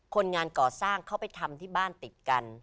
คนงานก่อสร้างเขาไปทำที่บ้านติดกัน